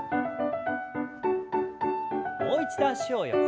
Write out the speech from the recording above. もう一度脚を横に。